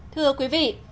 thưa quý vị